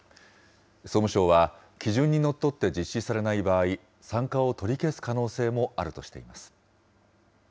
総務省は、基準にのっとって実施されない場合、参加を取り消す可能性もあるとしています。